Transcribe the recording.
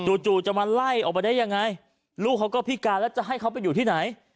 จู่จะมาไล่ออกไปได้ยังไงลูกเขาก็พิการแล้วจะให้เขาไปอยู่ที่ไหน